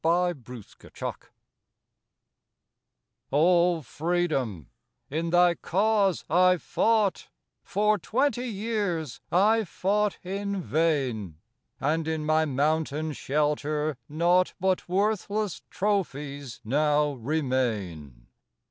S3 O FREEDOM O Freedom, in thy cause I fought, For twenty years I fought in vain; And in my mountain shelter naught But worthless trophies now remain.